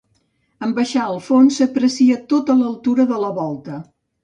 En baixar al fons, s'aprecia tota l'altura de la volta.